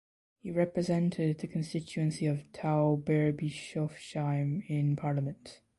He represented the constituency of Tauberbischofsheim in parliament.